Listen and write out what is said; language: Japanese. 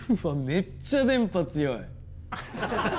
めっちゃ電波強い！